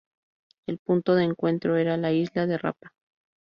El punto de encuentro era la isla de Rapa.